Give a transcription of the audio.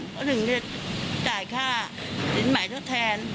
ก็ถึงจะจ่ายค่าศิลป์ใหม่เท่าแทน